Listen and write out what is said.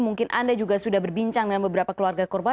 mungkin anda juga sudah berbincang dengan beberapa keluarga korban